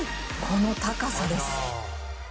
この高さです。